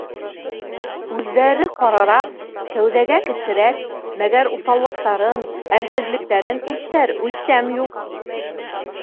Үҙҙәре ҡарараҡ, кәүҙәгә кесерәк, мәгәр уҫаллыҡтарын, әрһеҙлектәрен үлсәр үлсәм юҡ.